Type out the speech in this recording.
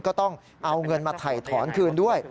ก็ต้องเอาเงินมาถ่ายถอนคืนด้วย